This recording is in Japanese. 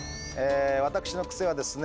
私のクセはですね